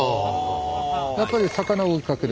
やっぱり魚を追いかける